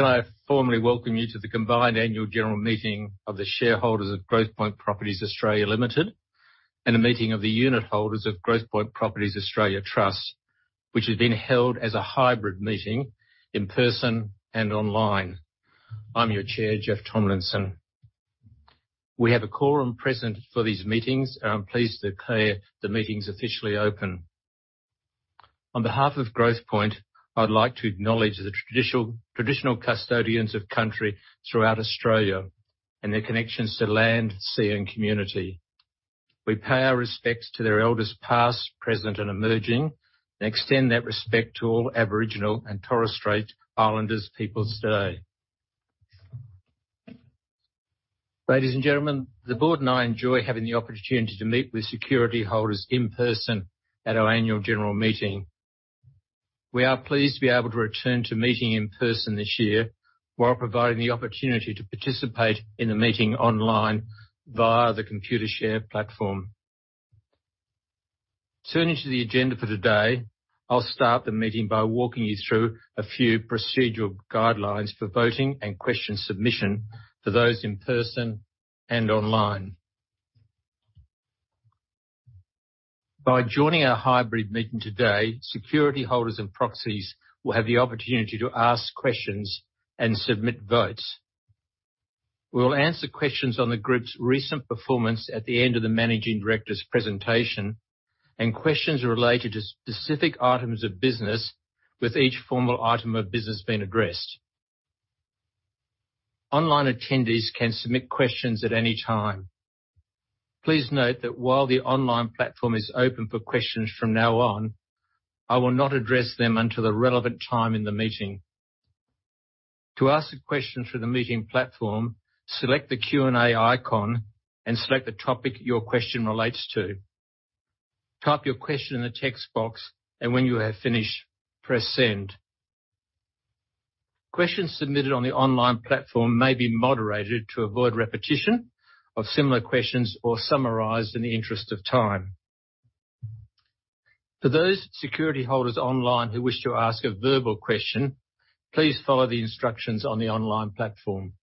Can I formally welcome you to the combined annual general meeting of the shareholders of Growthpoint Properties Australia Limited, and the meeting of the unit holders of Growthpoint Properties Australia Trust, which is being held as a hybrid meeting in person and online. I'm your chair, Geoff Tomlinson. We have a quorum present for these meetings, and I'm pleased to declare the meeting's officially open. On behalf of Growthpoint, I'd like to acknowledge the traditional custodians of country throughout Australia and their connections to land, sea, and community. We pay our respects to their elders past, present, and emerging, and extend that respect to all Aboriginal and Torres Strait Islanders peoples today. Ladies and gentlemen, the board and I enjoy having the opportunity to meet with security holders in person at our annual general meeting. We are pleased to be able to return to meeting in person this year while providing the opportunity to participate in the meeting online via the Computershare platform. Turning to the agenda for today, I'll start the meeting by walking you through a few procedural guidelines for voting and question submission for those in person and online. By joining our hybrid meeting today, security holders and proxies will have the opportunity to ask questions and submit votes. We'll answer questions on the group's recent performance at the end of the managing director's presentation, and questions related to specific items of business with each formal item of business being addressed. Online attendees can submit questions at any time. Please note that while the online platform is open for questions from now on, I will not address them until the relevant time in the meeting. To ask a question through the meeting platform, select the Q&A icon and select the topic your question relates to. Type your question in the text box, and when you have finished, press Send. Questions submitted on the online platform may be moderated to avoid repetition of similar questions or summarized in the interest of time. For those security holders online who wish to ask a verbal question, please follow the instructions on the online platform.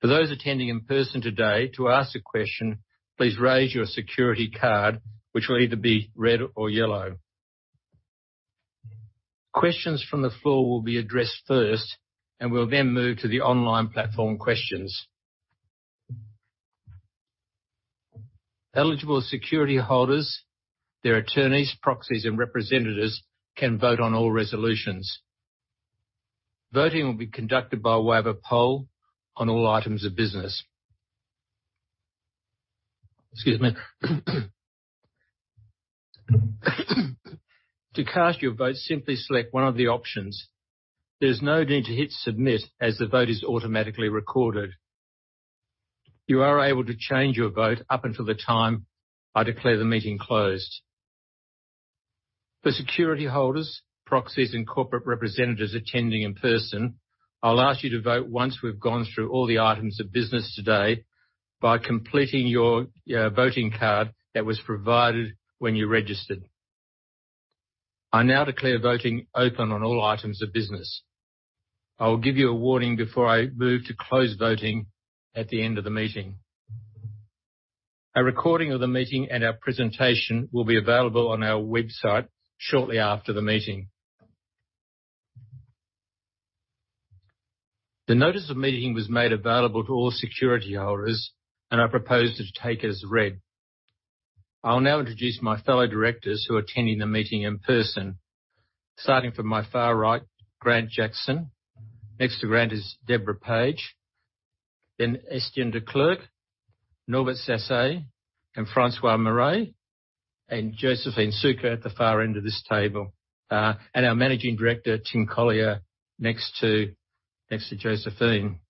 For those attending in person today, to ask a question, please raise your security card, which will either be red or yellow. Questions from the floor will be addressed first, and we'll then move to the online platform questions. Eligible security holders, their attorneys, proxies, and representatives can vote on all resolutions. Voting will be conducted by way of a poll on all items of business. Excuse me. To cast your vote, simply select one of the options. There's no need to hit Submit as the vote is automatically recorded. You are able to change your vote up until the time I declare the meeting closed. For security holders, proxies and corporate representatives attending in person, I'll ask you to vote once we've gone through all the items of business today by completing your voting card that was provided when you registered. I now declare voting open on all items of business. I will give you a warning before I move to close voting at the end of the meeting. A recording of the meeting and our presentation will be available on our website shortly after the meeting. The notice of meeting was made available to all security holders, and I propose to take as read. I'll now introduce my fellow directors who are attending the meeting in person. Starting from my far right, Grant Jackson. Next to Grant is Deborah Page, then Estienne de Klerk, Norbert Sasse, and François Marais, and Josephine Sukkar at the far end of this table. Our Managing Director, Timothy Collyer, next to Josephine.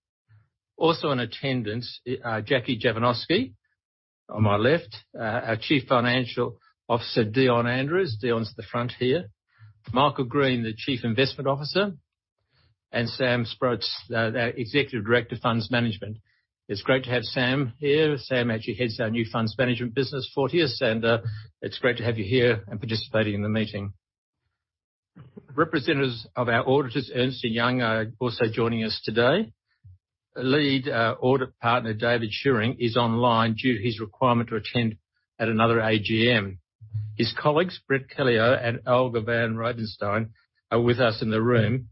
Also in attendance, Jacqueline Jovanovski on my left. Our Chief Financial Officer, Dion Andrews. Dion's at the front here. Michael Green, the Chief Investment Officer, and Sam Sproats, our Executive Director of Funds Management. It's great to have Sam here. Sam actually heads our new funds management business, Fortius. It's great to have you here and participating in the meeting. Representatives of our auditors, Ernst & Young, are also joining us today. Lead Audit Partner David Shewring is online due to his requirement to attend at another AGM. His colleagues, Brett Kallio and Olga van Ravesteyn, are with us in the room.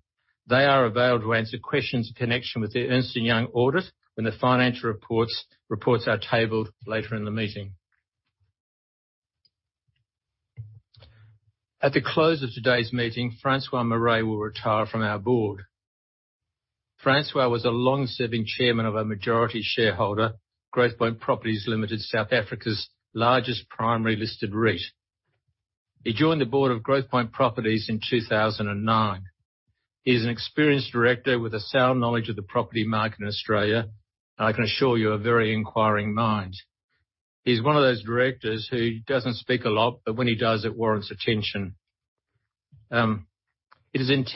They are available to answer questions in connection with the Ernst & Young audit when the financial reports are tabled later in the meeting. At the close of today's meeting, François Marais will retire from our board. Francois was a long-serving chairman of our majority shareholder, Growthpoint Properties Limited, South Africa's largest primary listed REIT. He joined the board of Growthpoint Properties in 2009. He is an experienced director with a sound knowledge of the property market in Australia. I can assure you, a very inquiring mind. He's one of those directors who doesn't speak a lot, but when he does, it warrants attention. I should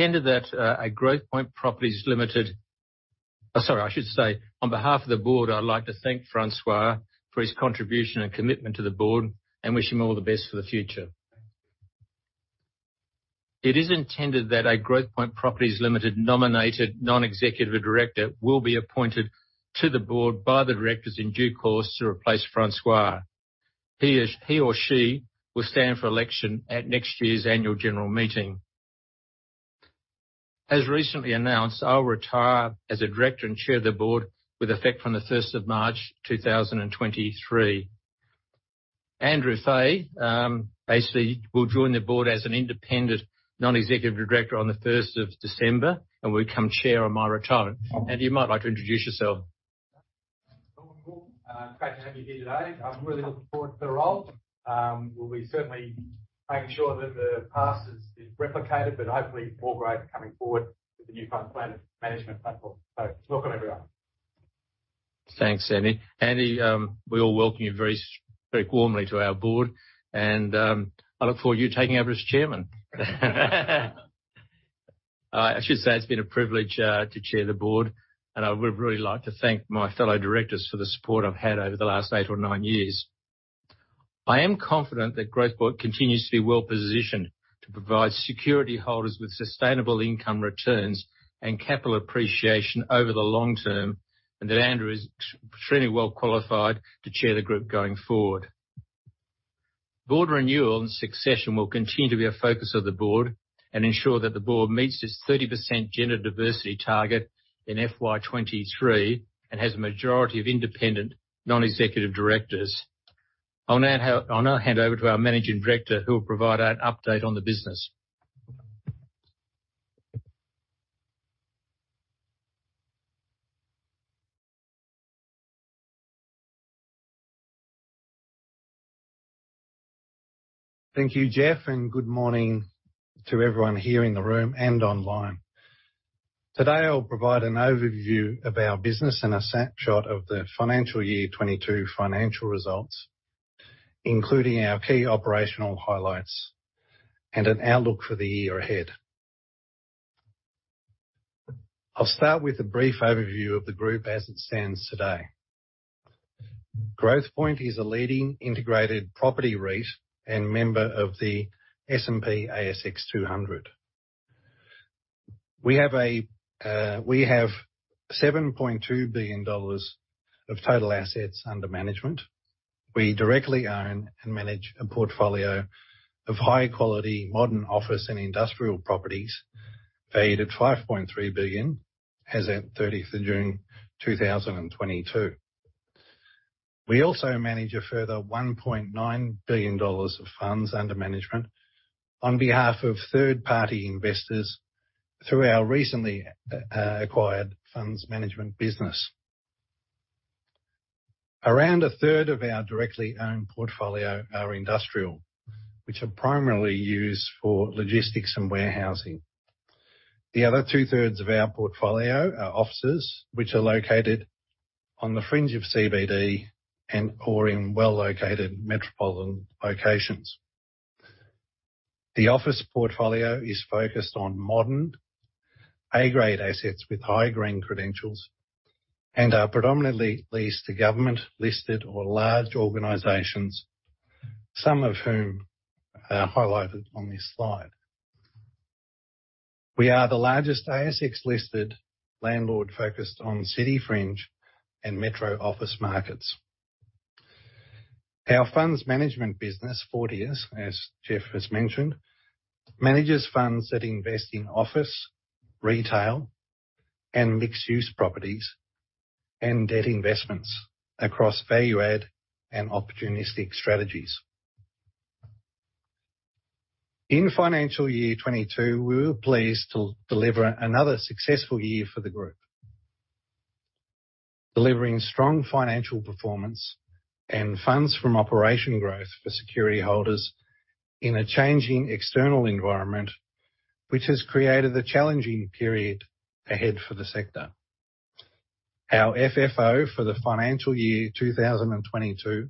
say, on behalf of the board, I'd like to thank François for his contribution and commitment to the board, and wish him all the best for the future. It is intended that a Growthpoint Properties Limited nominated non-executive director will be appointed to the board by the directors in due course to replace François. He or she will stand for election at next year's annual general meeting. As recently announced, I'll retire as a director and chair of the board with effect from the first of March 2023. Andrew Fay, AC will join the board as an independent non-executive director on the first of December, and will become chair on my retirement. Andy, you might like to introduce yourself. Great to have you here today. I'm really looking forward to the role. We'll be certainly making sure that the past is replicated, but hopefully progress coming forward with the new funds management platform. Welcome, everyone. Thanks, Andy. Andy, we all welcome you very warmly to our board, and I look forward to you taking over as chairman. I should say it's been a privilege to chair the board, and I would really like to thank my fellow directors for the support I've had over the last eight or nine years. I am confident that Growthpoint continues to be well-positioned to provide security holders with sustainable income returns and capital appreciation over the long term, and that Andrew is extremely well qualified to chair the group going forward. Board renewal and succession will continue to be a focus of the board and ensure that the board meets its 30% gender diversity target in FY 2023, and has a majority of independent non-executive directors. I'll now hand over to our managing director, who will provide an update on the business. Thank you, Geoff, and good morning to everyone here in the room and online. Today, I'll provide an overview of our business and a snapshot of the financial year 2022 financial results, including our key operational highlights and an outlook for the year ahead. I'll start with a brief overview of the group as it stands today. Growthpoint is a leading integrated property REIT and member of the S&P/ASX 200. We have 7.2 billion dollars of total assets under management. We directly own and manage a portfolio of high-quality modern office and industrial properties valued at 5.3 billion as at 30th of June 2022. We also manage a further 1.9 billion dollars of funds under management on behalf of third-party investors through our recently acquired funds management business. Around a third of our directly owned portfolio are industrial, which are primarily used for logistics and warehousing. The other two-thirds of our portfolio are offices, which are located on the fringe of CBD and/or in well-located metropolitan locations. The office portfolio is focused on modern A-grade assets with high green credentials and are predominantly leased to government-listed or large organizations, some of whom are highlighted on this slide. We are the largest ASX-listed landlord focused on city fringe and metro office markets. Our funds management business, Fortius, as Geoff has mentioned, manages funds that invest in office, retail, and mixed-use properties and debt investments across value add and opportunistic strategies. In financial year 2022, we were pleased to deliver another successful year for the group. Delivering strong financial performance and funds from operation growth for security holders in a changing external environment, which has created a challenging period ahead for the sector. Our FFO for the financial year 2022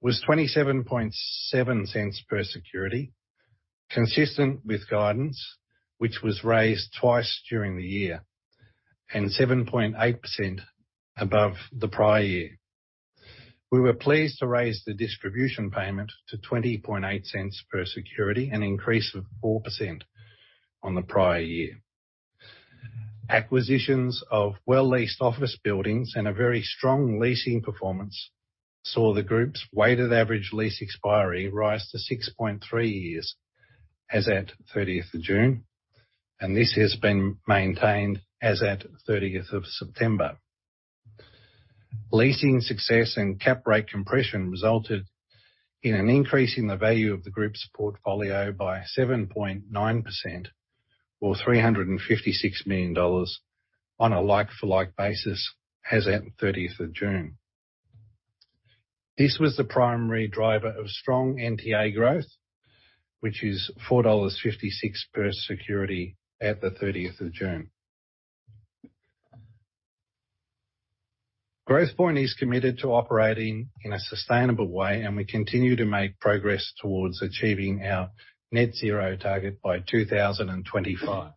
was 0.277 per security, consistent with guidance, which was raised twice during the year, and 7.8% above the prior year. We were pleased to raise the distribution payment to 0.208 per security, an increase of 4% on the prior year. Acquisitions of well-leased office buildings and a very strong leasing performance saw the group's weighted average lease expiry rise to 6.3 years as at 30th of June, and this has been maintained as at 30th of September. Leasing success and cap rate compression resulted in an increase in the value of the group's portfolio by 7.9% or 356 million dollars on a like-for-like basis as at thirtieth of June. This was the primary driver of strong NTA growth, which is 4.56 dollars per security at the thirtieth of June. Growthpoint is committed to operating in a sustainable way, and we continue to make progress towards achieving our net zero target by 2025.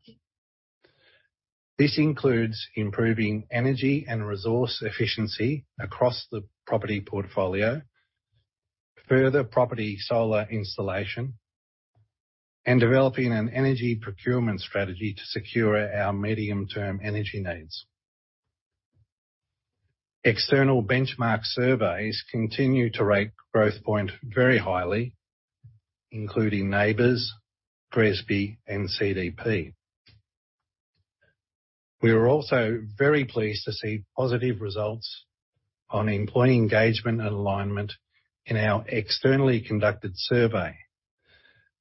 This includes improving energy and resource efficiency across the property portfolio, further property solar installation, and developing an energy procurement strategy to secure our medium-term energy needs. External benchmark surveys continue to rate Growthpoint very highly, including NABERS, GRESB, and CDP. We are also very pleased to see positive results on employee engagement and alignment in our externally conducted survey,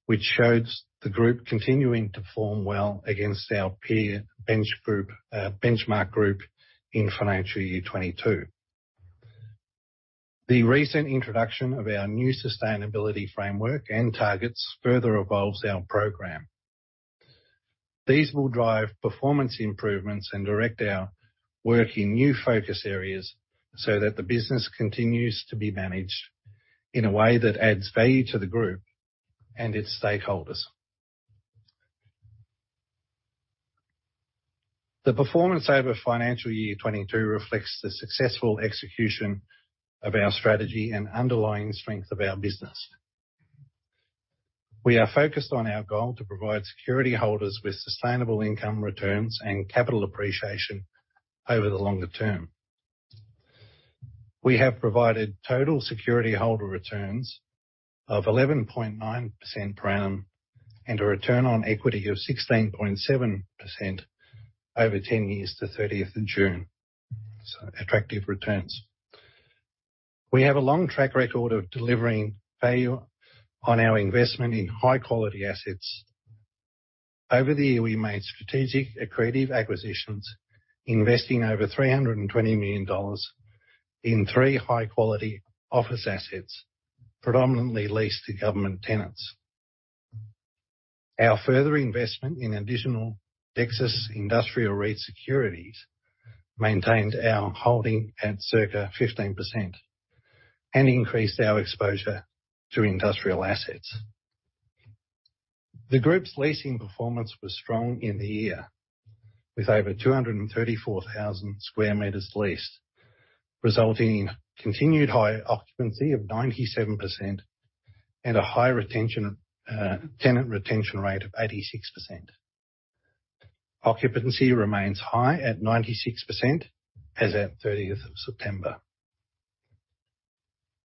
which shows the group continuing to form well against our peer benchmark group in financial year 2022. The recent introduction of our new sustainability framework and targets further evolves our program. These will drive performance improvements and direct our work in new focus areas so that the business continues to be managed in a way that adds value to the group and its stakeholders. The performance over financial year 2022 reflects the successful execution of our strategy and underlying strength of our business. We are focused on our goal to provide security holders with sustainable income returns and capital appreciation over the longer term. We have provided total security holder returns of 11.9% per annum and a return on equity of 16.7% over 10 years to 30th of June. Attractive returns. We have a long track record of delivering value on our investment in high quality assets. Over the year, we made strategic accretive acquisitions, investing over 320 million dollars in three high quality office assets, predominantly leased to government tenants. Our further investment in additional Dexus Industria REIT securities maintained our holding at circa 15% and increased our exposure to industrial assets. The group's leasing performance was strong in the year, with over 234,000 square meters leased, resulting in continued high occupancy of 97% and a high tenant retention rate of 86%. Occupancy remains high at 96% as at 30th of September.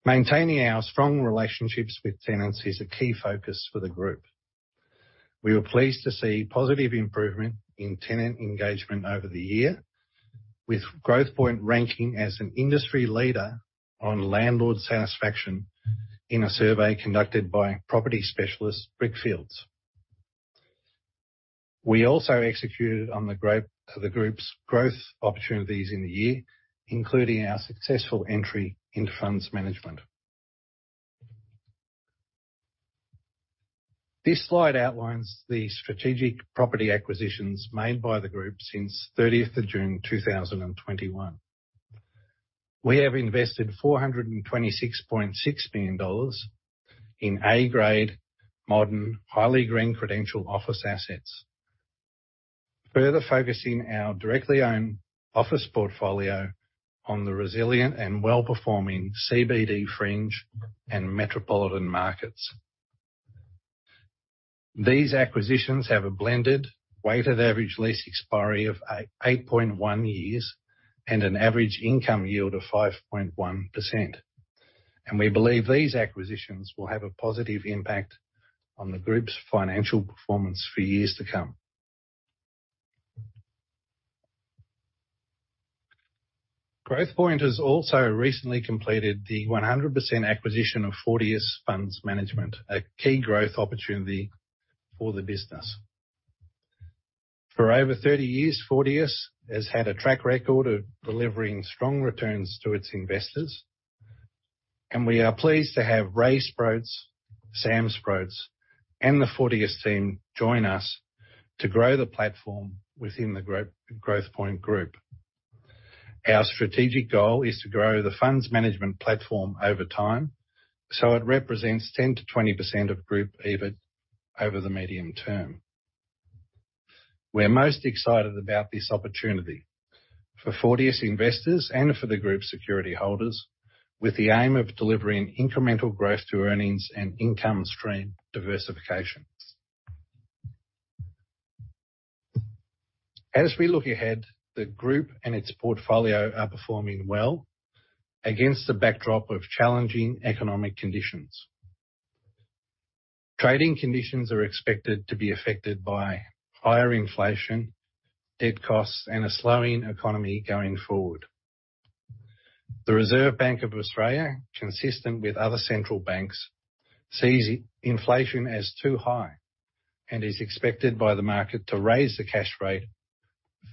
Maintaining our strong relationships with tenants is a key focus for the group. We were pleased to see positive improvement in tenant engagement over the year, with Growthpoint ranking as an industry leader on landlord satisfaction in a survey conducted by property specialist Brickfields. We also executed on the group's growth opportunities in the year, including our successful entry into funds management. This slide outlines the strategic property acquisitions made by the group since 30th June 2021. We have invested 426.6 million dollars in A-grade modern highly green credentialed office assets, further focusing our directly owned office portfolio on the resilient and well-performing CBD fringe and metropolitan markets. These acquisitions have a blended weighted average lease expiry of 8.1 years and an average income yield of 5.1%, and we believe these acquisitions will have a positive impact on the group's financial performance for years to come. Growthpoint has also recently completed the 100% acquisition of Fortius Funds Management, a key growth opportunity for the business. For over 30 years, Fortius has had a track record of delivering strong returns to its investors, and we are pleased to have Ray Sproats, Sam Sproats, and the Fortius team join us to grow the platform within the Growthpoint group. Our strategic goal is to grow the funds management platform over time, so it represents 10%-20% of group EBIT over the medium term. We're most excited about this opportunity for Fortius investors and for the group security holders, with the aim of delivering incremental growth to earnings and income stream diversifications. As we look ahead, the group and its portfolio are performing well against the backdrop of challenging economic conditions. Trading conditions are expected to be affected by higher inflation, debt costs and a slowing economy going forward. The Reserve Bank of Australia, consistent with other central banks, sees inflation as too high and is expected by the market to raise the cash rate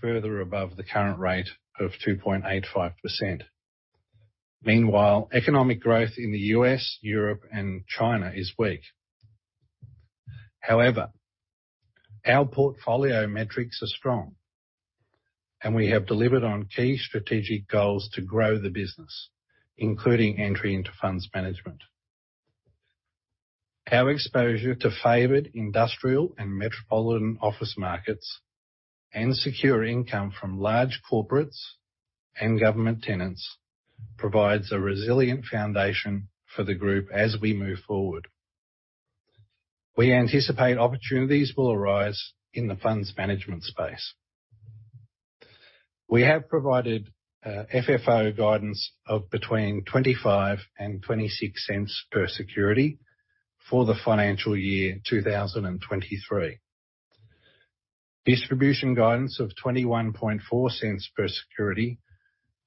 further above the current rate of 2.85%. Meanwhile, economic growth in the U.S., Europe and China is weak. However, our portfolio metrics are strong, and we have delivered on key strategic goals to grow the business, including entry into funds management. Our exposure to favored industrial and metropolitan office markets and secure income from large corporates and government tenants provides a resilient foundation for the group as we move forward. We anticipate opportunities will arise in the funds management space. We have provided FFO guidance of between 0.25-0.26 per security for the financial year 2023. Distribution guidance of 0.214 per security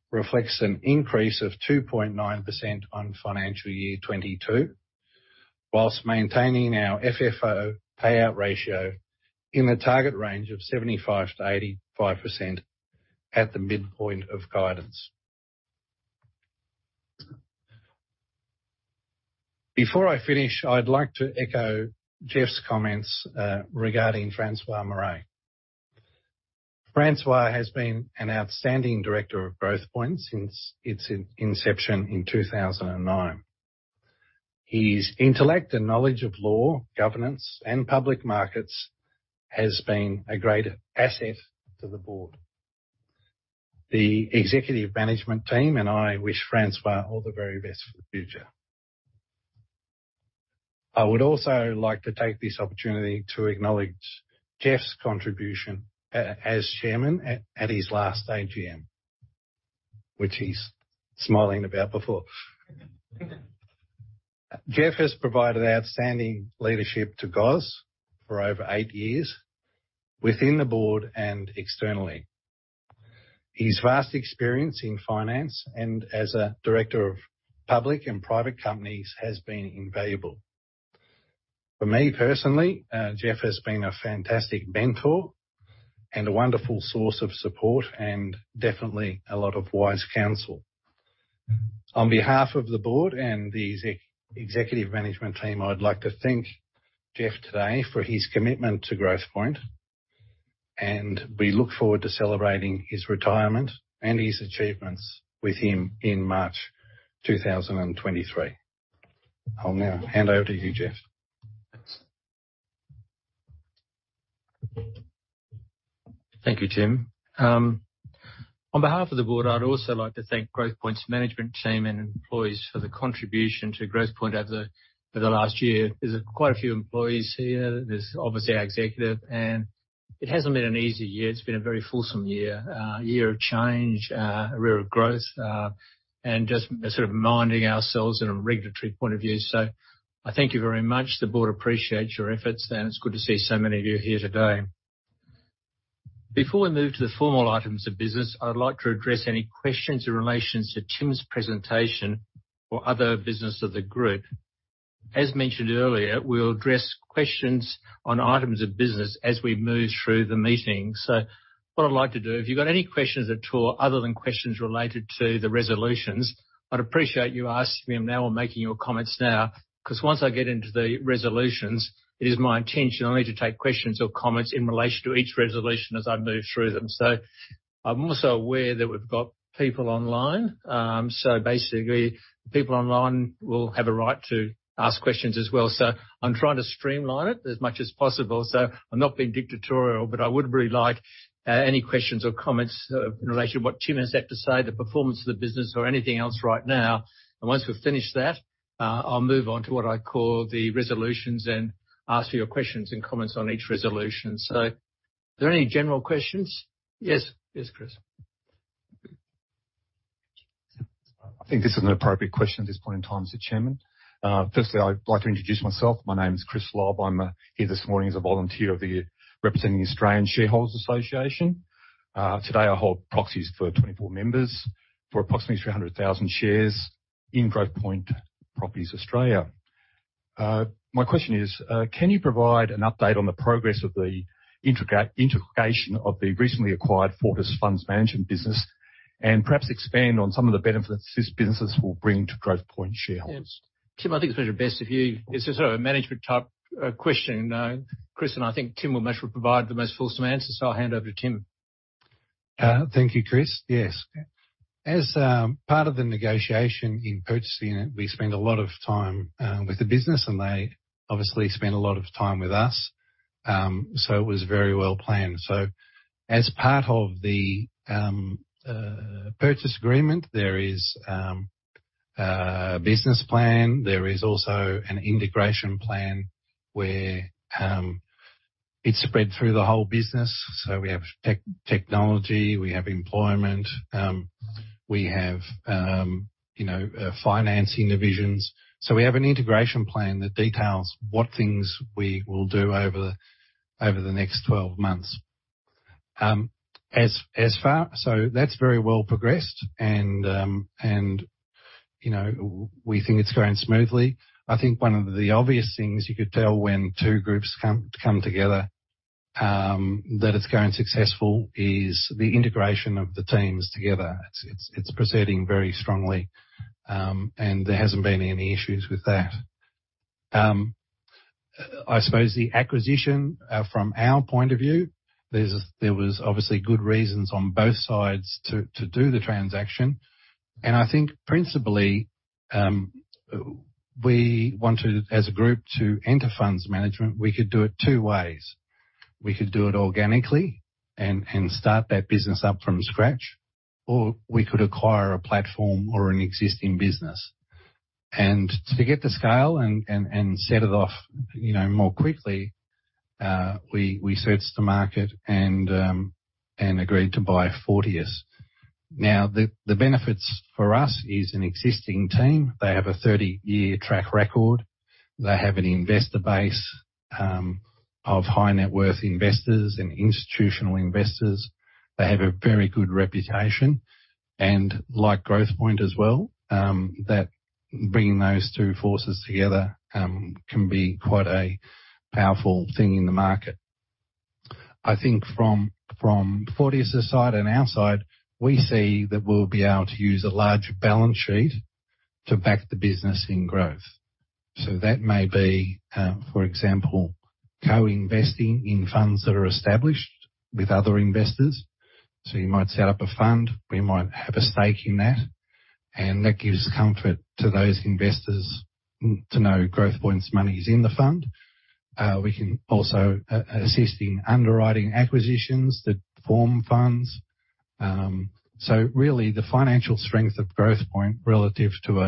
reflects an increase of 2.9% on financial year 2022, while maintaining our FFO payout ratio in the target range of 70%-85% at the midpoint of guidance. Before I finish, I'd like to echo Geoff's comments regarding Francois Marais. Francois has been an outstanding director of Growthpoint since its inception in 2009. His intellect and knowledge of law, governance, and public markets has been a great asset to the board. The executive management team and I wish Francois all the very best for the future. I would also like to take this opportunity to acknowledge Geoff's contribution as Chairman at his last AGM, which he's smiling about before. Geoff has provided outstanding leadership to GOZ for over eight years within the board and externally. His vast experience in finance and as a director of public and private companies has been invaluable. For me personally, Geoff has been a fantastic mentor and a wonderful source of support and definitely a lot of wise counsel. On behalf of the board and the executive management team, I'd like to thank Geoff today for his commitment to Growthpoint, and we look forward to celebrating his retirement and his achievements with him in March 2023. I'll now hand over to you, Geoff. Thanks. Thank you, Tim. On behalf of the board, I'd also like to thank Growthpoint's management team and employees for the contribution to Growthpoint over the last year. There's quite a few employees here. There's obviously our executive, and it hasn't been an easy year. It's been a very fulsome year. A year of change, a year of growth, and just sort of minding ourselves in a regulatory point of view. I thank you very much. The board appreciates your efforts, and it's good to see so many of you here today. Before we move to the formal items of business, I'd like to address any questions in relation to Tim's presentation or other business of the group. As mentioned earlier, we'll address questions on items of business as we move through the meeting. What I'd like to do, if you've got any questions at all other than questions related to the resolutions, I'd appreciate you asking me now or making your comments now, 'cause once I get into the resolutions, it is my intention only to take questions or comments in relation to each resolution as I move through them. I'm also aware that we've got people online. Basically, people online will have a right to ask questions as well. I'm trying to streamline it as much as possible. I'm not being dictatorial, but I would really like any questions or comments in relation to what Tim has had to say, the performance of the business or anything else right now. Once we've finished that, I'll move on to what I call the resolutions and ask for your questions and comments on each resolution. Are there any general questions? Yes. Yes, Chris. I think this is an appropriate question at this point in time, Mr. Chairman. Firstly, I'd like to introduce myself. My name is Chris Lobb. I'm here this morning as a volunteer of the Australian Shareholders' Association. Today, I hold proxies for 24 members for approximately 300,000 shares in Growthpoint Properties Australia. My question is, can you provide an update on the progress of the integration of the recently acquired Fortius Funds Management business, and perhaps expand on some of the benefits this business will bring to Growthpoint shareholders? Yeah, Tim, I think it's probably best. It's a sort of a management type question. Chris, I think Tim will be able to provide the most fulsome answers. I'll hand over to Tim. Thank you, Chris. Yes. As part of the negotiation in purchasing it, we spend a lot of time with the business, and they obviously spent a lot of time with us. It was very well planned. As part of the purchase agreement, there is business plan. There is also an integration plan where it's spread through the whole business. We have technology, we have employment, we have, you know, financing divisions. We have an integration plan that details what things we will do over the next 12 months. That's very well progressed and, you know, we think it's going smoothly. I think one of the obvious things you could tell when two groups come together that it's going successful is the integration of the teams together. It's proceeding very strongly. There hasn't been any issues with that. I suppose the acquisition from our point of view, there was obviously good reasons on both sides to do the transaction. I think principally, we wanted as a group to enter funds management. We could do it two ways. We could do it organically and start that business up from scratch, or we could acquire a platform or an existing business. To get the scale and set it off, you know, more quickly, we searched the market and agreed to buy Fortius. Now, the benefits for us is an existing team. They have a 30-year track record. They have an investor base of high net worth investors and institutional investors. They have a very good reputation and like Growthpoint as well, that bringing those two forces together can be quite a powerful thing in the market. I think from Fortius' side and our side, we see that we'll be able to use a larger balance sheet to back the business in growth. That may be, for example, co-investing in funds that are established with other investors. You might set up a fund, we might have a stake in that, and that gives comfort to those investors to know Growthpoint's money is in the fund. We can also assist in underwriting acquisitions that form funds. Really the financial strength of Growthpoint relative to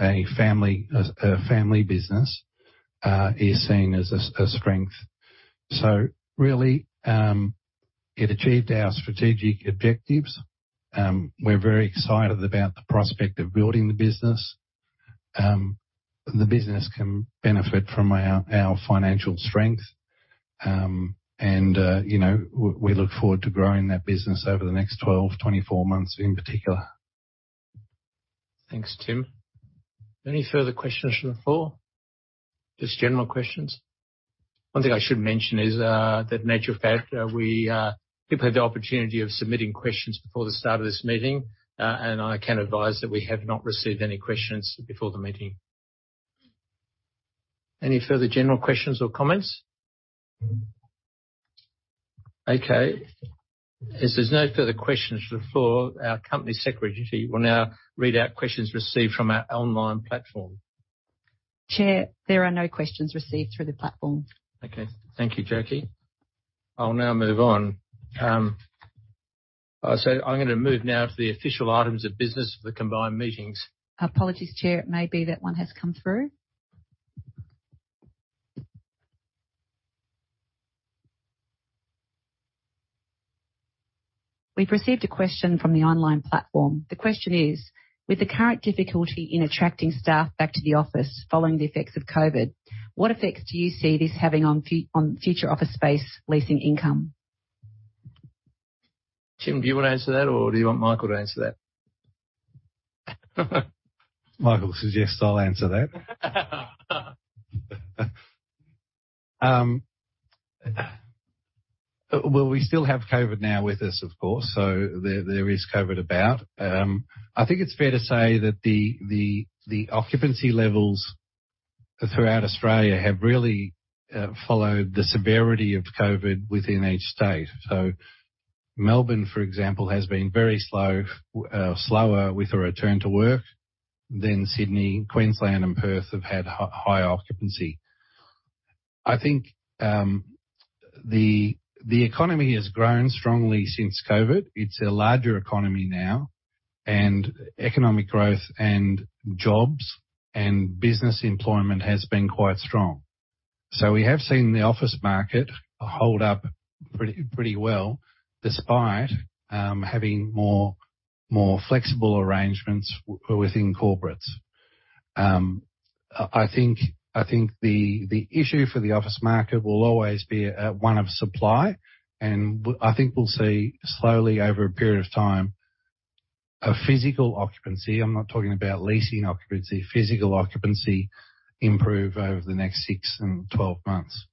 a family business is seen as a strength. It achieved our strategic objectives. We're very excited about the prospect of building the business. The business can benefit from our financial strength. You know, we look forward to growing that business over the next 12, 24 months in particular. Thanks, Tim. Any further questions from the floor? Just general questions. One thing I should mention is, that in fact, people have the opportunity of submitting questions before the start of this meeting, and I can advise that we have not received any questions before the meeting. Any further general questions or comments? Okay. If there's no further questions from the floor, our company secretary will now read out questions received from our online platform. Chair, there are no questions received through the platform. Okay. Thank you, Jackie. I'll now move on. I'm gonna move now to the official items of business for the combined meetings. Apologies, Chair. It may be that one has come through. We've received a question from the online platform. The question is: With the current difficulty in attracting staff back to the office following the effects of COVID, what effects do you see this having on future office space leasing income? Tim, do you wanna answer that, or do you want Michael to answer that? Yes, I'll answer that." Well, we still have COVID now with us, of course, so there is COVID about. I think it's fair to say that the occupancy levels throughout Australia have really followed the severity of COVID within each state. Melbourne, for example, has been very slow, slower with the return to work than Sydney. Queensland and Perth have had high occupancy. I think the economy has grown strongly since COVID. It's a larger economy now, and economic growth and jobs and business employment has been quite strong. We have seen the office market hold up pretty well despite having more flexible arrangements within corporates. I think the issue for the office market will always be one of supply. I think we'll see slowly over a period of time, a physical occupancy, I'm not talking about leasing occupancy, physical occupancy improve over the next 6 and 12 months.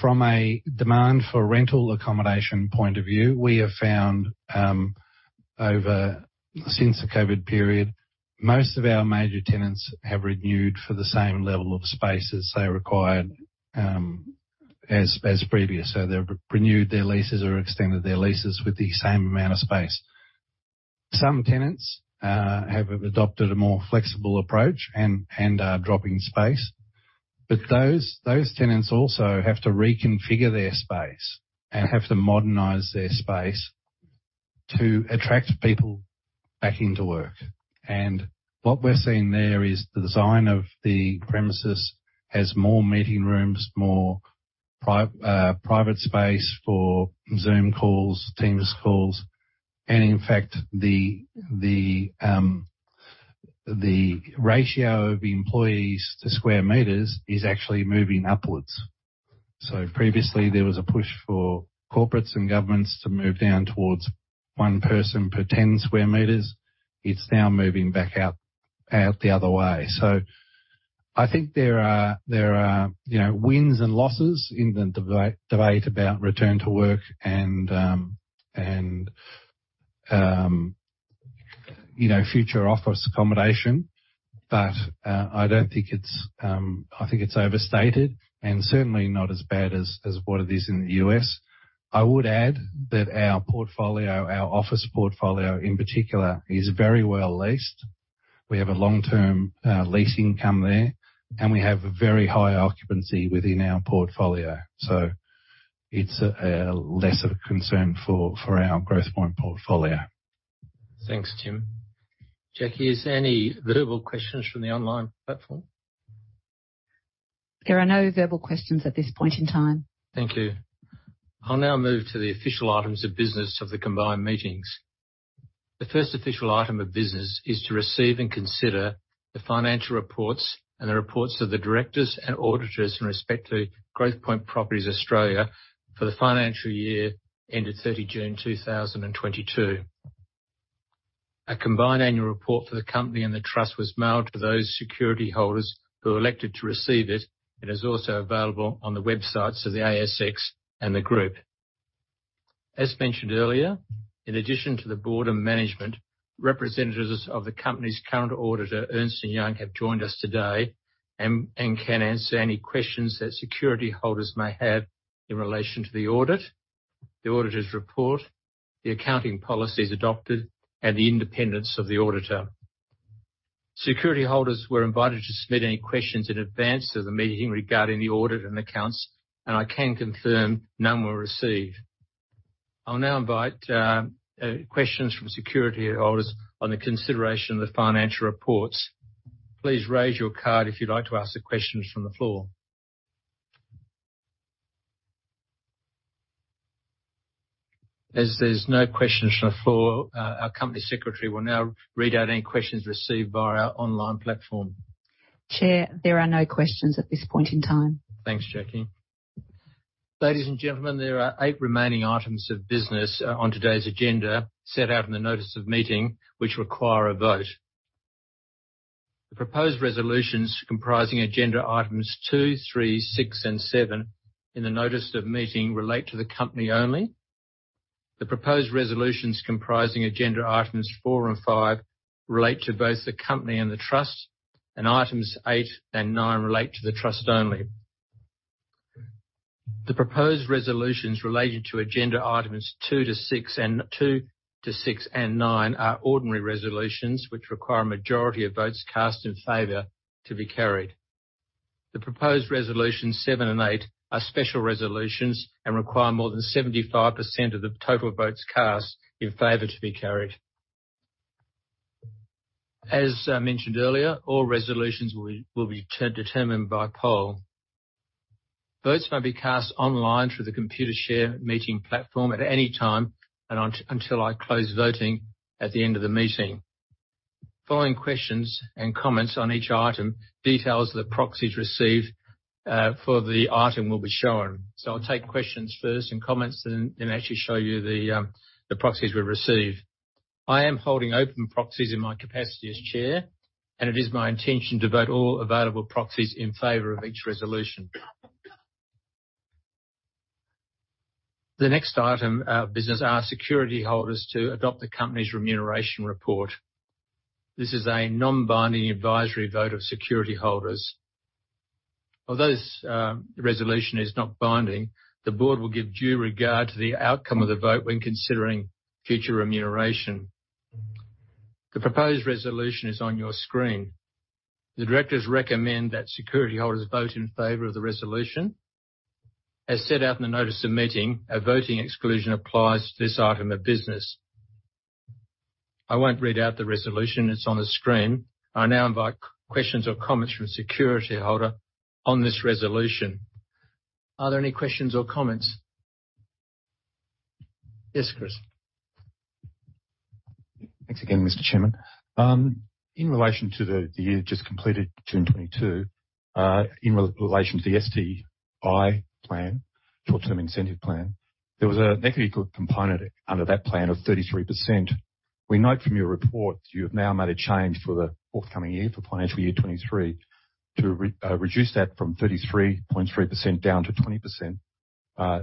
From a demand for rental accommodation point of view, we have found, since the COVID period, most of our major tenants have renewed for the same level of space as they required, as previous. They've renewed their leases or extended their leases with the same amount of space. Some tenants have adopted a more flexible approach and dropping space. Those tenants also have to reconfigure their space and have to modernize their space to attract people back into work. What we're seeing there is the design of the premises has more meeting rooms, more private space for Zoom calls, Teams calls. In fact, the ratio of employees to square meters is actually moving upwards. Previously there was a push for corporates and governments to move down towards one person per 10 square meters. It's now moving back out the other way. I think there are you know, wins and losses in the debate about return to work and you know, future office accommodation. I don't think it's I think it's overstated and certainly not as bad as what it is in the U.S. I would add that our portfolio, our office portfolio in particular, is very well-leased. We have a long-term leasing commitment there, and we have a very high occupancy within our portfolio, so it's less of a concern for our Growthpoint portfolio. Thanks, Tim. Jackie, is there any verbal questions from the online platform? There are no verbal questions at this point in time. Thank you. I'll now move to the official items of business of the combined meetings. The first official item of business is to receive and consider the financial reports and the reports of the directors and auditors in respect to Growthpoint Properties Australia for the financial year ending 30 June 2022. A combined annual report for the company and the trust was mailed to those security holders who elected to receive it. It is also available on the websites of the ASX and the group. As mentioned earlier, in addition to the board and management, representatives of the company's current auditor, Ernst & Young, have joined us today and can answer any questions that security holders may have in relation to the audit, the auditor's report, the accounting policies adopted, and the independence of the auditor. Security holders were invited to submit any questions in advance of the meeting regarding the audit and accounts, and I can confirm none were received. I'll now invite questions from security holders on the consideration of the financial reports. Please raise your card if you'd like to ask the questions from the floor. As there's no questions from the floor, our company secretary will now read out any questions received via our online platform. Chair, there are no questions at this point in time. Thanks, Jackie. Ladies and gentlemen, there are eight remaining items of business on today's agenda set out in the notice of meeting which require a vote. The proposed resolutions comprising agenda items 2, 3, 6 and 7 in the notice of meeting relate to the company only. The proposed resolutions comprising agenda items 4 and 5 relate to both the company and the trust, and items 8 and 9 relate to the trust only. The proposed resolutions related to agenda items 2 to 6 and 9 are ordinary resolutions which require a majority of votes cast in favor to be carried. The proposed resolution seven and eight are special resolutions and require more than 75% of the total votes cast in favor to be carried. As mentioned earlier, all resolutions will be determined by poll. Votes may be cast online through the Computershare meeting platform at any time and until I close voting at the end of the meeting. Following questions and comments on each item, details of the proxies received for the item will be shown. I'll take questions first and comments, then actually show you the proxies we receive. I am holding open proxies in my capacity as chair, and it is my intention to vote all available proxies in favor of each resolution. The next item of business are security holders to adopt the company's remuneration report. This is a non-binding advisory vote of security holders. Although this resolution is not binding, the board will give due regard to the outcome of the vote when considering future remuneration. The proposed resolution is on your screen. The directors recommend that security holders vote in favor of the resolution. As set out in the notice of meeting, a voting exclusion applies to this item of business. I won't read out the resolution. It's on the screen. I now invite questions or comments from security holder on this resolution. Are there any questions or comments? Yes, Chris. Thanks again, Mr. Chairman. In relation to the year just completed, June 2022, in relation to the STI plan, short-term incentive plan, there was a negative component under that plan of 33%. We note from your report you have now made a change for the forthcoming year, for financial year 2023, to reduce that from 33.3% down to 20%.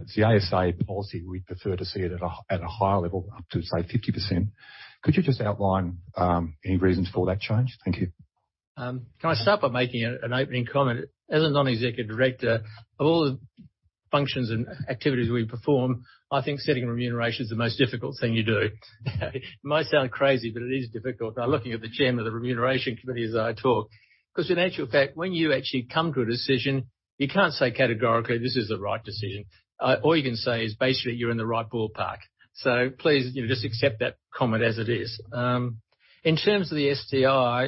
It's the ASA policy. We'd prefer to see it at a higher level, up to, say, 50%. Could you just outline any reasons for that change? Thank you. Can I start by making an opening comment? As a non-executive director, of all the functions and activities we perform, I think setting remuneration is the most difficult thing you do. It might sound crazy, but it is difficult. I'm looking at the chairman of the remuneration committee as I talk. 'Cause in actual fact, when you actually come to a decision, you can't say categorically, "This is the right decision." All you can say is basically, you're in the right ballpark. So please, you know, just accept that comment as it is. In terms of the STI,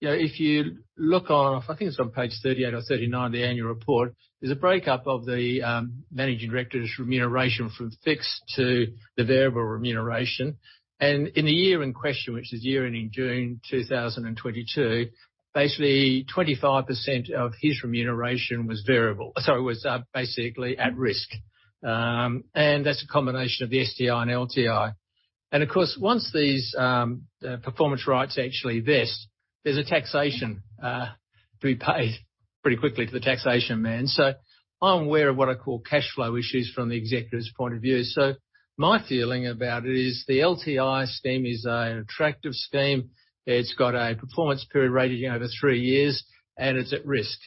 you know, if you look on, I think it's on page 38 or 39 of the annual report, there's a breakdown of the managing director's remuneration from fixed to the variable remuneration. In the year in question, which is the year ending June 2022, basically 25% of his remuneration was variable. It was basically at risk. That's a combination of the STI and LTI. Of course, once these, the performance rights actually vest, there's a taxation to be paid pretty quickly to the taxation man. I'm aware of what I call cash flow issues from the executives' point of view. My feeling about it is the LTI scheme is an attractive scheme. It's got a performance period rated over three years and it's at risk.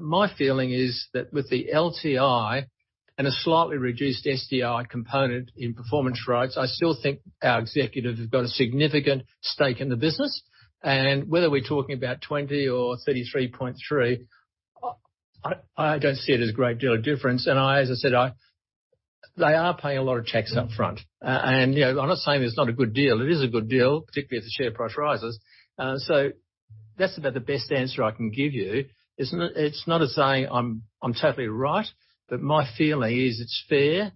My feeling is that with the LTI and a slightly reduced STI component in performance rights, I still think our executives have got a significant stake in the business. Whether we're talking about 20% or 33.3%, I don't see it as a great deal of difference. As I said, they are paying a lot of checks up front. You know, I'm not saying it's not a good deal. It is a good deal, particularly if the share price rises. That's about the best answer I can give you. It's not as saying I'm totally right, but my feeling is it's fair.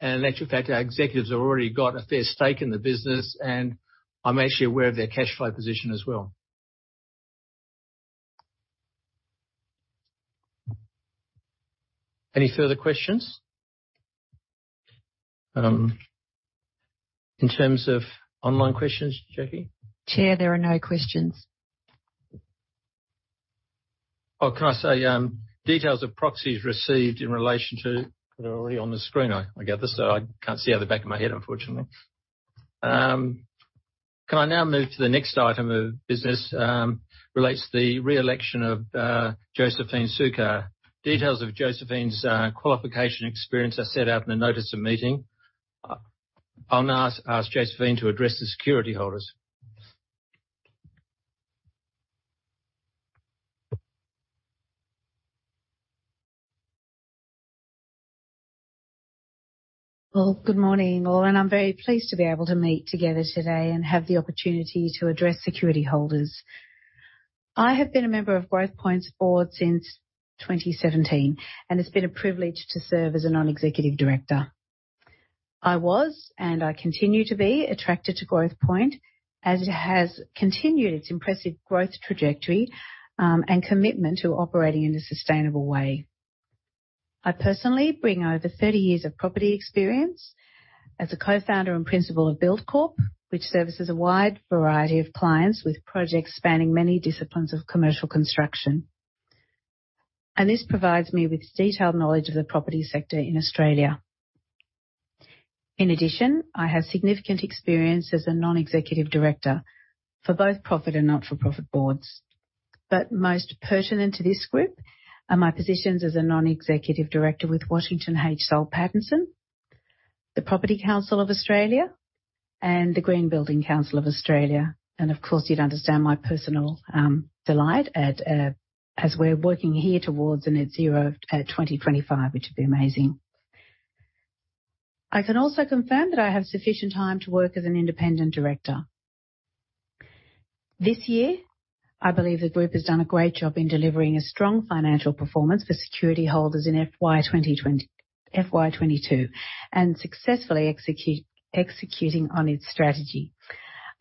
In actual fact, our executives have already got a fair stake in the business, and I'm actually aware of their cash flow position as well. Any further questions? In terms of online questions, Jackie? Chair, there are no questions. Oh, can I say details of proxies received in relation to. They're already on the screen, I gather, so I can't see out the back of my head, unfortunately. Can I now move to the next item of business? Relates to the re-election of Josephine Sukkar. Details of Josephine's qualification experience are set out in the notice of meeting. I'll now ask Josephine to address the security holders. Well, good morning, all. I'm very pleased to be able to meet together today and have the opportunity to address security holders. I have been a member of Growthpoint's board since 2017, and it's been a privilege to serve as a non-executive director. I was, and I continue to be, attracted to Growthpoint as it has continued its impressive growth trajectory, and commitment to operating in a sustainable way. I personally bring over 30 years of property experience as a co-founder and principal of Buildcorp, which services a wide variety of clients with projects spanning many disciplines of commercial construction. This provides me with detailed knowledge of the property sector in Australia. In addition, I have significant experience as a non-executive director for both profit and not-for-profit boards. Most pertinent to this group are my positions as a non-executive director with Washington H. Soul Pattinson and Company Limited, the Property Council of Australia, and the Green Building Council of Australia. Of course, you'd understand my personal delight at as we're working here towards a net zero 2025, which would be amazing. I can also confirm that I have sufficient time to work as an independent director. This year, I believe the group has done a great job in delivering a strong financial performance for security holders in FY 2022, and successfully executing on its strategy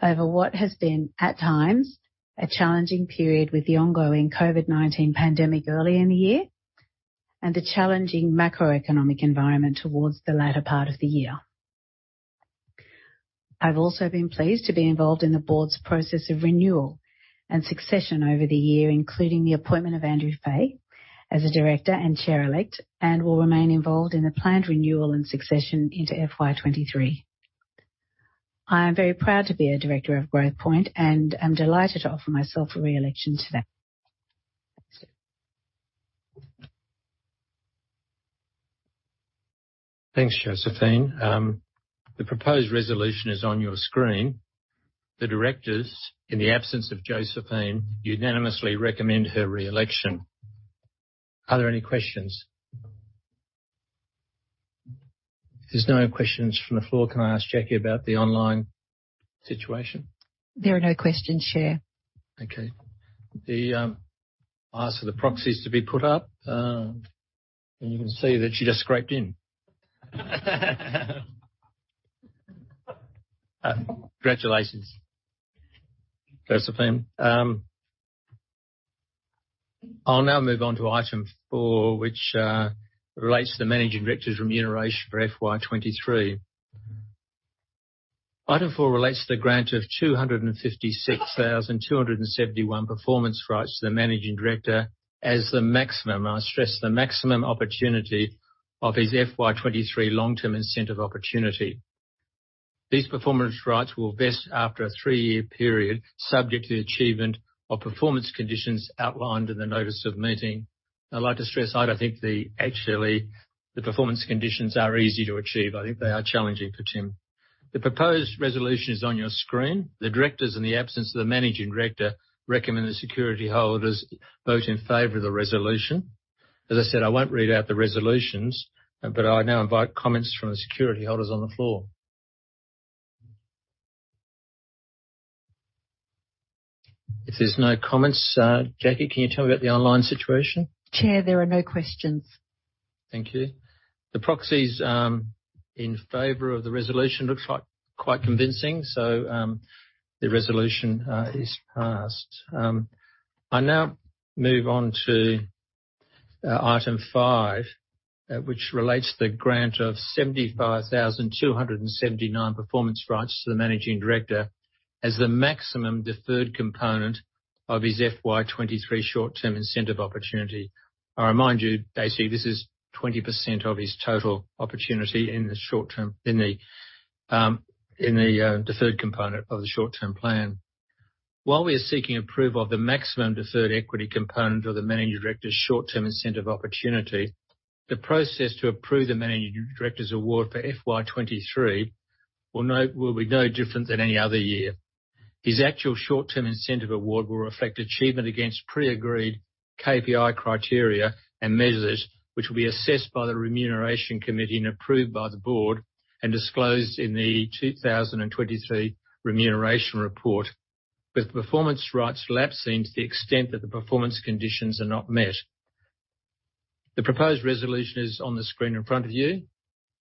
over what has been, at times, a challenging period with the ongoing COVID-19 pandemic early in the year and a challenging macroeconomic environment towards the latter part of the year. I've also been pleased to be involved in the board's process of renewal and succession over the year, including the appointment of Andrew Fay as a director and chair-elect, and will remain involved in the planned renewal and succession into FY 2023. I am very proud to be a director of Growthpoint and am delighted to offer myself for re-election today. Thanks, Josephine. The proposed resolution is on your screen. The directors, in the absence of Josephine, unanimously recommend her re-election. Are there any questions? If there's no questions from the floor, can I ask Jackie about the online situation? There are no questions, Chair. Okay. I ask for the proxies to be put up, and you can see that she just scraped in. Congratulations, Josephine. I'll now move on to item 4, which relates to the managing director's remuneration for FY 2023. Item 4 relates to the grant of 256,271 performance rights to the managing director as the maximum, I stress the maximum opportunity of his FY 2023 long-term incentive opportunity. These performance rights will vest after a 3-year period subject to the achievement of performance conditions outlined in the notice of meeting. I'd like to stress, actually, I don't think the performance conditions are easy to achieve. I think they are challenging for Tim. The proposed resolution is on your screen. The directors, in the absence of the managing director, recommend the security holders vote in favor of the resolution. As I said, I won't read out the resolutions, but I now invite comments from the security holders on the floor. If there's no comments, Jackie, can you tell me about the online situation? Chair, there are no questions. Thank you. The proxies in favor of the resolution looks like quite convincing, so the resolution is passed. I now move on to item five, which relates the grant of 75,000 performance rights to the managing director as the maximum deferred component of his FY 2023 short-term incentive opportunity. I remind you, basically, this is 20% of his total opportunity in the short term in the deferred component of the short-term plan. While we are seeking approval of the maximum deferred equity component of the managing director's short-term incentive opportunity, the process to approve the managing director's award for FY 2023 will be no different than any other year. His actual short-term incentive award will reflect achievement against pre-agreed KPI criteria and measures which will be assessed by the Remuneration Committee and approved by the board and disclosed in the 2023 remuneration report, with performance rights lapsing to the extent that the performance conditions are not met. The proposed resolution is on the screen in front of you.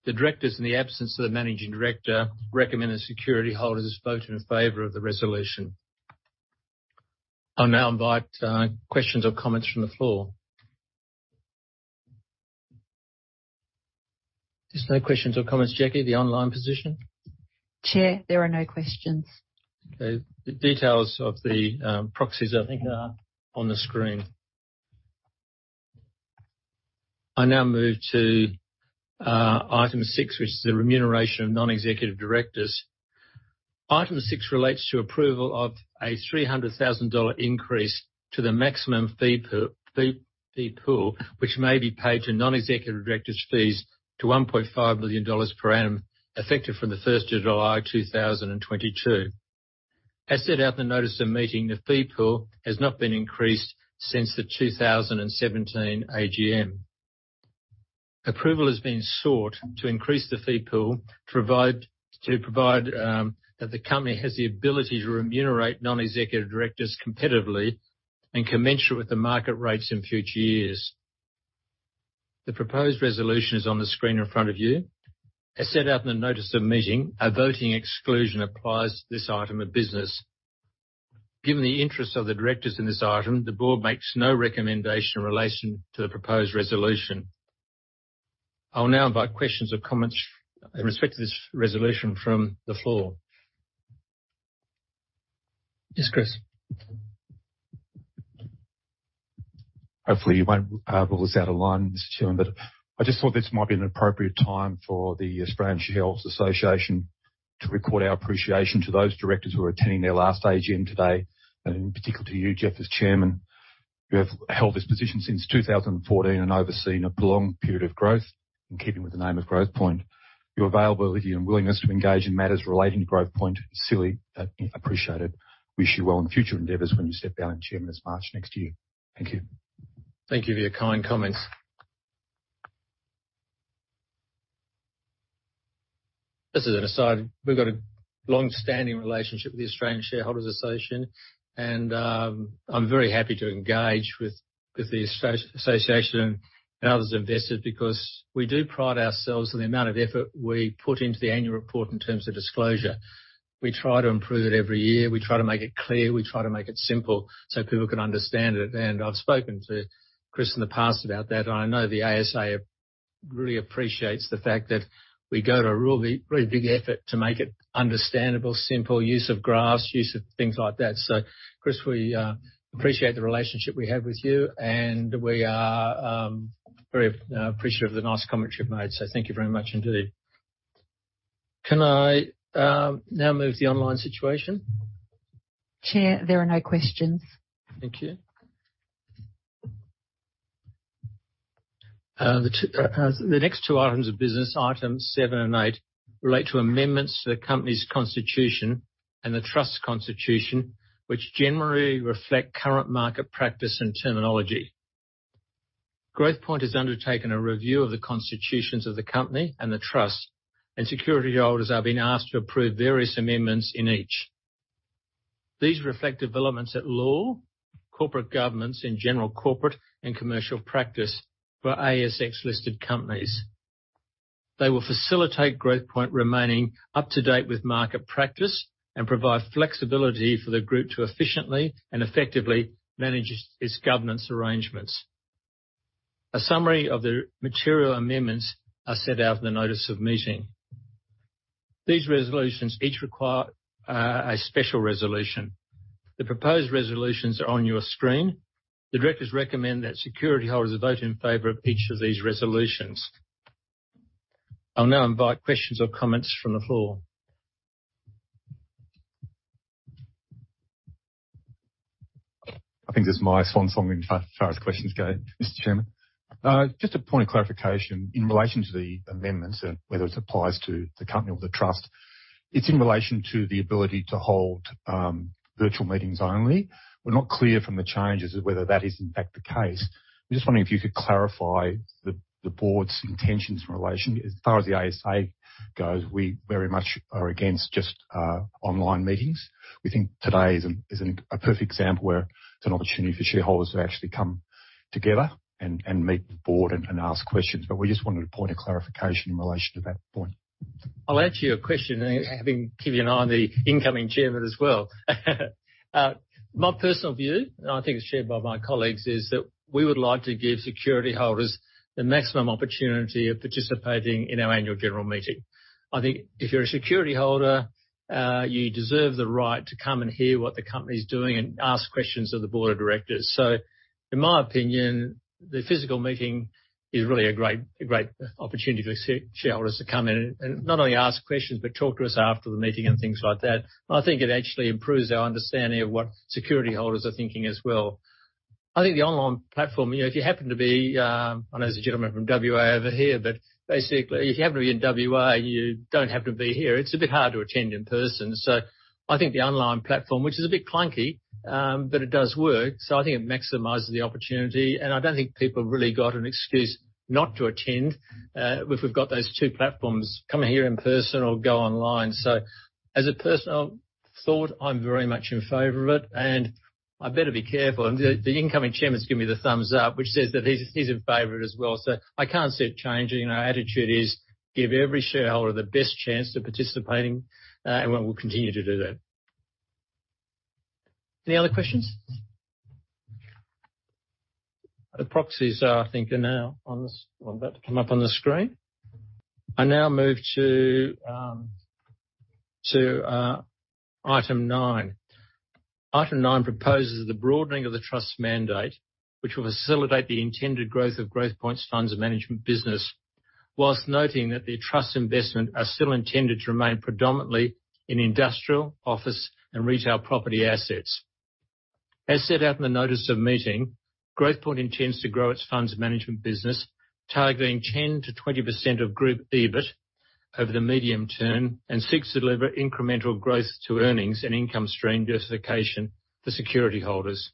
The directors, in the absence of the managing director, recommend that security holders vote in favor of the resolution. I'll now invite questions or comments from the floor. If there's no questions or comments, Jackie, the online position? Chair, there are no questions. Okay. The details of the proxies I think are on the screen. I now move to item 6, which is the remuneration of non-executive directors. Item 6 relates to approval of a 300,000 dollar increase to the maximum fee pool, which may be paid to non-executive directors fees to 1.5 million dollars per annum, effective from July 1, 2022. As set out in the notice of meeting, the fee pool has not been increased since the 2017 AGM. Approval has been sought to increase the fee pool to provide that the company has the ability to remunerate non-executive directors competitively and commensurate with the market rates in future years. The proposed resolution is on the screen in front of you. As set out in the notice of meeting, a voting exclusion applies to this item of business. Given the interest of the directors in this item, the board makes no recommendation in relation to the proposed resolution. I'll now invite questions or comments in respect to this resolution from the floor. Yes, Chris. Hopefully you won't rule this out of line, Mr. Chairman, but I just thought this might be an appropriate time for the Australian Shareholders' Association to record our appreciation to those directors who are attending their last AGM today, and in particular to you, Geoff, as chairman. You have held this position since 2014 and overseen a prolonged period of growth in keeping with the name of Growthpoint. Your availability and willingness to engage in matters relating to Growthpoint is sincerely appreciated. Wish you well in future endeavors when you step down as chairman this March next year. Thank you. Thank you for your kind comments. This is an aside. We've got a longstanding relationship with the Australian Shareholders' Association, and I'm very happy to engage with the Association and other investors because we do pride ourselves on the amount of effort we put into the annual report in terms of disclosure. We try to improve it every year. We try to make it clear, we try to make it simple so people can understand it. I've spoken to Chris in the past about that. I know the ASA really appreciates the fact that we go to a really big effort to make it understandable, simple, use of graphs, use of things like that. Chris, we appreciate the relationship we have with you, and we are very appreciative of the nice comments you've made. Thank you very much indeed. Can I, now move the online situation? Chair, there are no questions. Thank you. The next two items of business, items seven and eight, relate to amendments to the company's constitution and the trust's constitution, which generally reflect current market practice and terminology. Growthpoint has undertaken a review of the constitutions of the company and the trust, and security holders are being asked to approve various amendments in each. These reflect developments at law, corporate governance and general corporate and commercial practice for ASX-listed companies. They will facilitate Growthpoint remaining up to date with market practice and provide flexibility for the group to efficiently and effectively manage its governance arrangements. A summary of the material amendments are set out in the notice of meeting. These resolutions each require a special resolution. The proposed resolutions are on your screen. The directors recommend that security holders vote in favor of each of these resolutions. I'll now invite questions or comments from the floor. I think this is my swan song as far as questions go, Mr. Chairman. Just a point of clarification in relation to the amendments and whether this applies to the company or the trust. It's in relation to the ability to hold virtual meetings only. We're not clear from the changes whether that is in fact the case. I'm just wondering if you could clarify the board's intentions in relation. As far as the ASA goes, we very much are against just online meetings. We think today is a perfect example where it's an opportunity for shareholders to actually come together and meet the board and ask questions. We just wanted a point of clarification in relation to that point. I'll answer your question, and have to keep an eye on the incoming chairman as well. My personal view, and I think it's shared by my colleagues, is that we would like to give security holders the maximum opportunity of participating in our annual general meeting. I think if you're a security holder, you deserve the right to come and hear what the company's doing and ask questions of the board of directors. In my opinion, the physical meeting is really a great opportunity for security holders to come in and not only ask questions, but talk to us after the meeting and things like that. I think it actually improves our understanding of what security holders are thinking as well. I think the online platform, you know, if you happen to be, I know there's a gentleman from WA over here, but basically if you happen to be in WA, you don't happen to be here. It's a bit hard to attend in person. I think the online platform, which is a bit clunky, but it does work. I think it maximizes the opportunity, and I don't think people have really got an excuse not to attend, if we've got those two platforms, come here in person or go online. As a personal thought, I'm very much in favor of it, and I better be careful. The incoming chairman's given me the thumbs up, which says that he's in favor of it as well. I can't see it changing. Our attitude is to give every shareholder the best chance to participate, and we'll continue to do that. Any other questions? The proxies, I think, are now about to come up on the screen. I now move to item 9. Item 9 proposes the broadening of the trust mandate, which will facilitate the intended growth of Growthpoint's funds management business while noting that the trust investments are still intended to remain predominantly in industrial, office, and retail property assets. As set out in the notice of meeting, Growthpoint intends to grow its funds management business, targeting 10%-20% of group EBIT over the medium term, and seeks to deliver incremental growth to earnings and income stream diversification for security holders.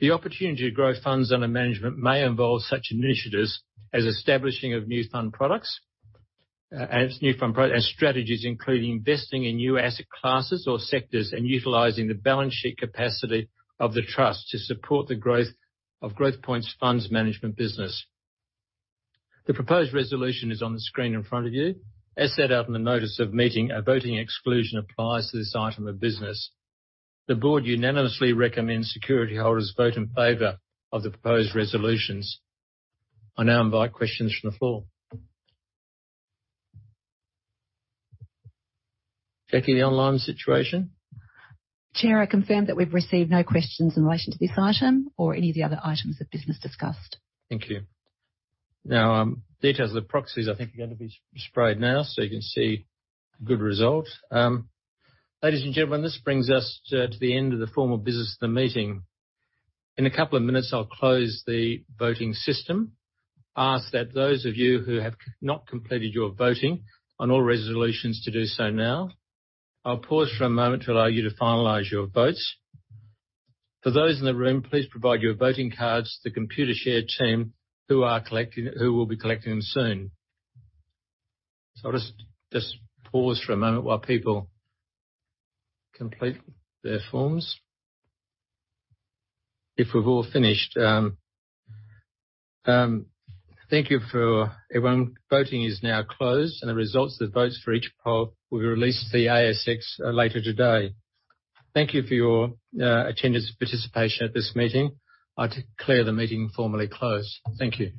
The opportunity to grow funds under management may involve such initiatives as establishing new fund products and strategies, including investing in new asset classes or sectors, and utilizing the balance sheet capacity of the trust to support the growth of Growthpoint's funds management business. The proposed resolution is on the screen in front of you. As set out in the notice of meeting, a voting exclusion applies to this item of business. The board unanimously recommends security holders vote in favor of the proposed resolutions. I now invite questions from the floor. Jackie, the online situation. Chair, I confirm that we've received no questions in relation to this item or any of the other items of business discussed. Thank you. Now, details of the proxies I think are going to be displayed now so you can see good result. Ladies and gentlemen, this brings us to the end of the formal business of the meeting. In a couple of minutes, I'll close the voting system. Ask that those of you who have not completed your voting on all resolutions to do so now. I'll pause for a moment to allow you to finalize your votes. For those in the room, please provide your voting cards to the Computershare team who will be collecting them soon. I'll just pause for a moment while people complete their forms. If we've all finished, thank you for everyone. Voting is now closed, and the results of the votes for each poll will be released to the ASX later today. Thank you for your attendance and participation at this meeting. I declare the meeting formally closed. Thank you.